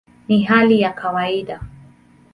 Ni hali ya kawaida".